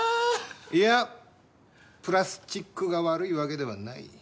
いやプラスチックが悪いわけではない。